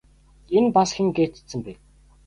Энэ бас хэн гээч цэцэн бэ?